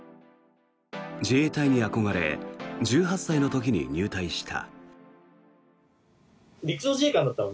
自衛隊に憧れ１８歳の時に入隊した。